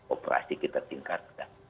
operasi kita tingkatkan